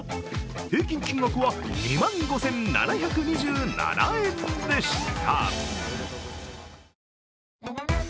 平均金額は２万５７２７円でした。